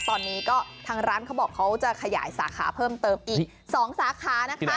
ตอนนี้ก็ทางร้านเขาบอกเขาจะขยายสาขาเพิ่มเติมอีก๒สาขานะคะ